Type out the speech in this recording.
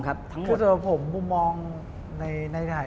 บอธิบายครับทั้งหมด